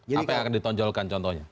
apa yang akan ditonjolkan contohnya